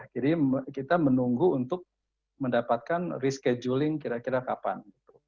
jadi kita menunggu untuk mendapatkan rescheduling kira kira kapan